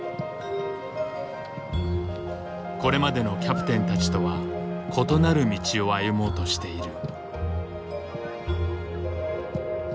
これまでのキャプテンたちとは異なる道を歩もうとしている。